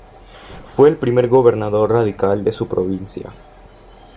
Fue el primer gobernador radical de su provincia.